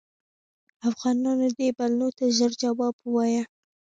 افغانانو دې بلنو ته ژر جواب ووایه.